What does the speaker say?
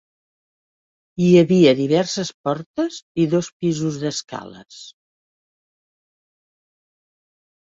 Hi havia diverses portes i dos pisos d'escales.